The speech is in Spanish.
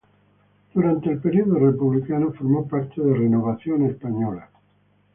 Durante el periodo republicano formó parte de Renovación Española.